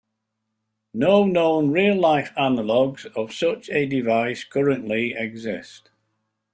No known real-life analogues of such a device currently exist.